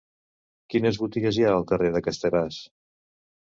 Quines botigues hi ha al carrer de Casteràs?